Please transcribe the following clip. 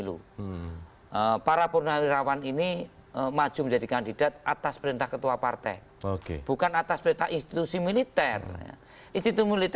kesempatian diliki p optional